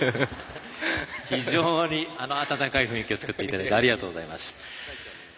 非常に温かい雰囲気を作っていただいてありがとうございました。